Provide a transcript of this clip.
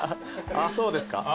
あそうですか。